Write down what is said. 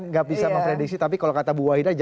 nggak bisa memprediksi tapi kalau kata bu wahida